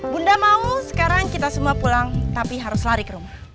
bunda mau sekarang kita semua pulang tapi harus lari ke rumah